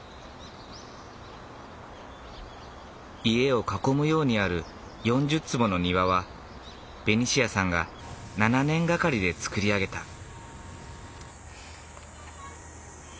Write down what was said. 家を囲むようにある４０坪の庭はベニシアさんが７年がかりで造り上げた。